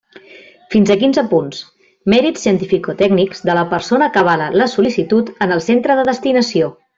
Fins a quinze punts: mèrits científico-tècnics de la persona que avala la sol·licitud en el centre de destinació.